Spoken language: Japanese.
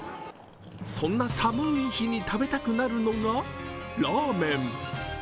そんな寒い日に食べたくなるのがラーメン。